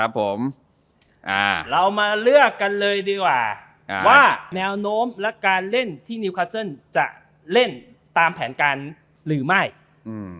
ปรนโอโมมและการเล่นที่นิวคาซเซินจะเล่นตามแผนการหรือไม่อืม